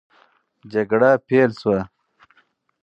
جګړه پیل سوه.